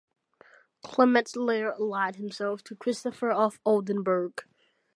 Clement later allied himself to Christopher of Oldenburg.